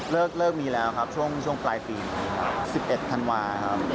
เลิกมีแล้วครับช่วงปลายปี๑๑ธันวาครับ